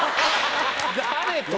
誰と？